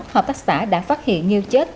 hợp tác xã đã phát hiện nghêu chết